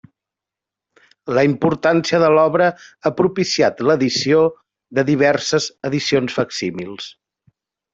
La importància de l'obra ha propiciat l'edició de diverses edicions facsímils.